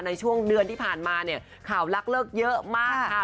ในช่วงเดือนที่ผ่านมาเนี่ยข่าวลักเลิกเยอะมากค่ะ